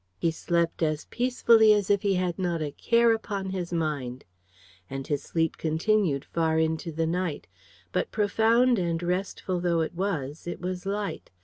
He slept as peacefully as if he had not had a care upon his mind. And his sleep continued far into the night. But, profound and restful though it was, it was light.